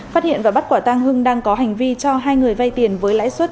phát hiện và bắt quả tang hưng đang có hành vi cho hai người vai tiền với lãi suất